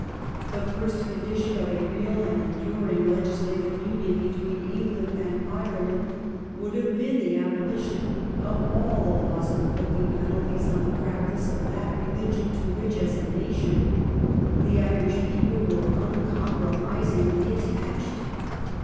The first condition of a real and enduring legislative union between England and Ireland would have been the abolition of all the laws inflicting penalties on the practice of that religion to which as a nation the Irish people were uncompromisingly attached.